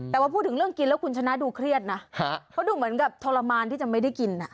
แต่ว่าพูดถึงเรื่องกินแล้วคุณชนะดูเครียดนะเขาดูเหมือนกับทรมานที่จะไม่ได้กิน